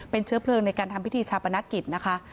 เป็นเชื้อเพลิงในการทำพิธีชาปนกิจนะคะ